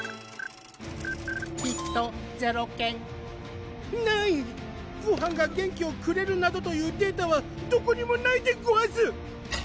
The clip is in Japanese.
ヒットゼロ件ないごはんが元気をくれるなどというデータはどこにもないでごわす！